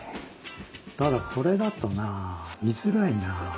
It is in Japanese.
ただこれだとなあ見づらいなあ。